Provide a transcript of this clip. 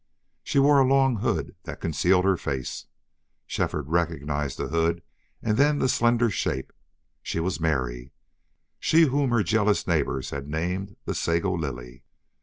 She wore a long hood that concealed her face. Shefford recognized the hood and then the slender shape. She was Mary she whom her jealous neighbors had named the Sago Lily.